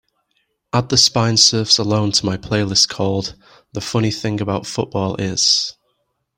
add The Spine Surfs Alone to my playlist called The Funny Thing About Football Is